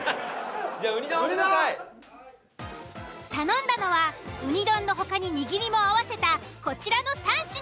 じゃあ頼んだのはウニ丼の他に握りも合わせたこちらの３品。